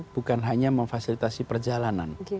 bukan hanya memfasilitasi perjalanan